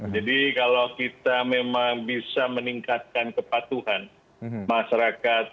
jadi kalau kita memang bisa meningkatkan kepatuhan masyarakat